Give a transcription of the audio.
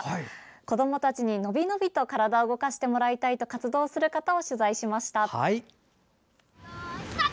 子どもたちに伸び伸びと体を動かしてもらいたいと活動する方を取材しました。